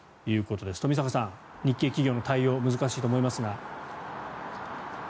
冨坂さん、日系企業の対応難しいと思いますが。